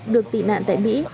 được tị nạn tại mỹ